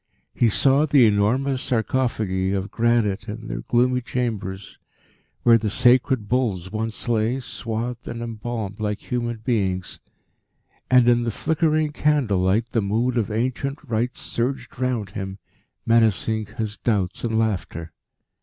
He saw the enormous sarcophagi of granite in their gloomy chambers where the sacred bulls once lay, swathed and embalmed like human beings, and, in the flickering candle light, the mood of ancient rites surged round him, menacing his doubts and laughter.